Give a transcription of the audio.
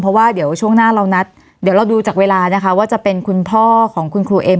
เพราะว่าเดี๋ยวช่วงหน้าเรานัดเดี๋ยวเราดูจากเวลานะคะว่าจะเป็นคุณพ่อของคุณครูเอ็ม